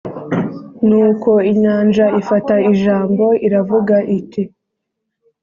Nuko Inyanja ifata ijambo, iravuga iti